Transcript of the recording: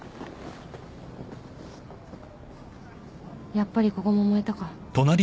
やっぱりここも燃えたか。